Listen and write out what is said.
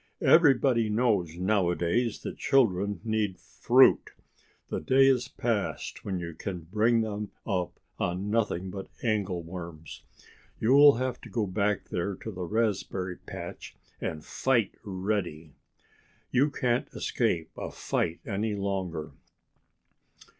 "Everybody knows now a days that children need fruit. The day is past when you can bring them up on nothing but angleworms. You'll have to go back there to the raspberry patch and fight Reddy. You can't escape a fight any longer."